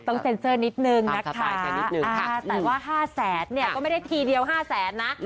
เซ็นเซอร์นิดนึงนะคะแต่ว่า๕แสนเนี่ยก็ไม่ได้ทีเดียว๕แสนนะ